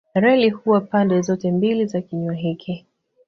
Reli huwa pande zote mbili za kinywa hiki.